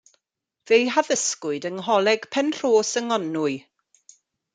Fe'i haddysgwyd yng Ngholeg Penrhos yng Nghonwy.